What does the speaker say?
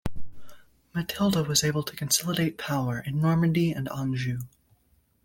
Matilda was able to consolidate power in Normandy and Anjou.